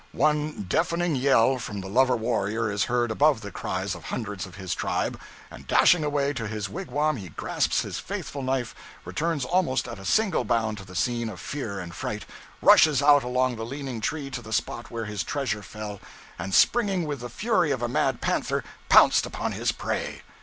One deafening yell from the lover warrior is heard above the cries of hundreds of his tribe, and dashing away to his wigwam he grasps his faithful knife, returns almost at a single bound to the scene of fear and fright, rushes out along the leaning tree to the spot where his treasure fell, and springing with the fury of a mad panther, pounced upon his prey.